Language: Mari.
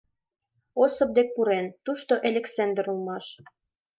Осып дек пурен, тушто Элександыр улмаш.